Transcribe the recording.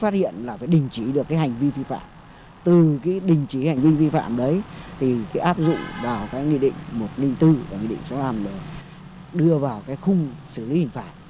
từ cái hành vi vi phạm từ cái đình chỉ hành vi vi phạm đấy thì cái áp dụng vào cái nghị định một trăm linh bốn và nghị định sáu mươi năm đưa vào cái khung xử lý hình phạm